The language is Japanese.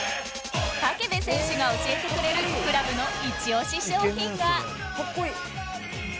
武部選手が教えてくれるクラブのイチオシ商品が